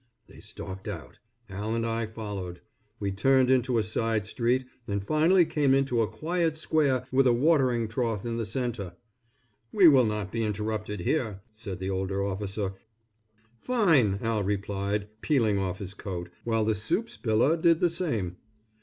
They stalked out. Al and I followed. We turned into a side street, and finally came into a quiet square with a watering trough in the centre. "We will not be interrupted here," said the older officer. "Fine," Al replied, peeling off his coat, while the soup spiller did the same.